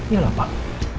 ya lah pak